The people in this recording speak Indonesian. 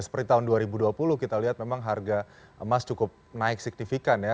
seperti tahun dua ribu dua puluh kita lihat memang harga emas cukup naik signifikan ya